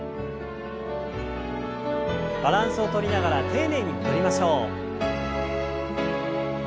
バランスをとりながら丁寧に戻りましょう。